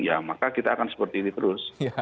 ya maka kita akan seperti ini terus